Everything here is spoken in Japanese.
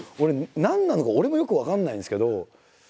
何なのか俺もよく分かんないんですけど。